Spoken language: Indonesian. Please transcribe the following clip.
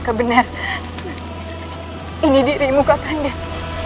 kau tidak salah